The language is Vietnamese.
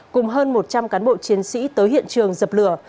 cùng hơn một trăm linh cán bộ chiến sĩ tới hiện trường dập lửa